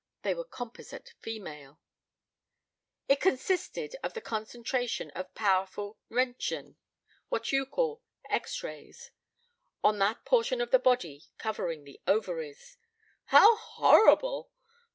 They were composite female. "It consisted of the concentration of powerful Röntgen what you call X Rays on that portion of the body covering the ovaries " "How horrible!"